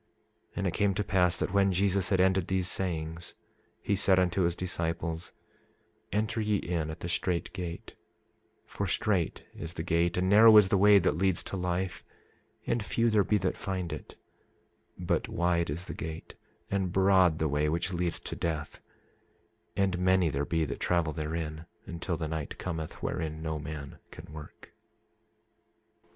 27:33 And it came to pass that when Jesus had ended these sayings he said unto his disciples: Enter ye in at the strait gate; for strait is the gate, and narrow is the way that leads to life, and few there be that find it; but wide is the gate, and broad the way which leads to death, and many there be that travel therein, until the night cometh, wherein no man can work.